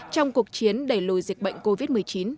trong cuộc chiến đẩy lùi dịch bệnh covid một mươi chín